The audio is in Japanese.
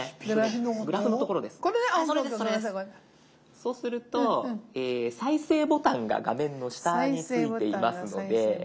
そうすると再生ボタンが画面の下についていますので。